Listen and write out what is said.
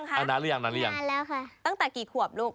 น้ำตาตกโคให้มีโชคเมียรสิเราเคยคบกันเหอะน้ำตาตกโคให้มีโชค